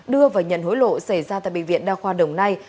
đưa và nhận hối lộ xảy ra tại bệnh viện đa khoa đồng nai